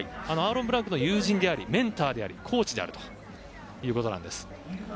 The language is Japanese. あのアーロン・ブランクの友人でありメンターでありコーチであるということです。